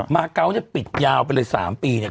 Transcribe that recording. มาเก้าจะปิดยาวไปเลย๓ปีเนี่ย